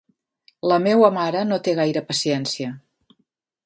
La meua mare no té gaire paciència.